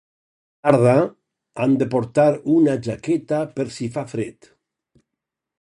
A la tarda han de portar una jaqueta per si fa fred.